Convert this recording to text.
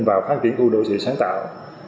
vào phát triển khu đô thị sáng tạo